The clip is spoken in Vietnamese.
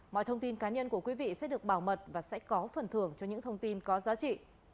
mọi thông tin cá nhân của quý vị sẽ được bảo mật và sẽ có phần thưởng cho những thông tin có giá trị